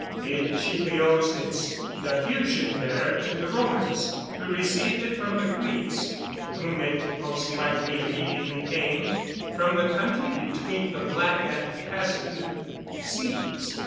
It chiefly owes its diffusion there to the Romans, who received it from the Greeks, to whom it most likely immediately came from the country between the Black and Caspian Seas.